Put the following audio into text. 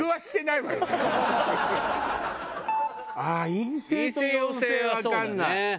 「陰性」と「陽性」はわかんない。